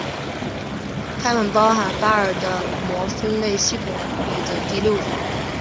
它们包含巴尔的摩分类系统里的第六组。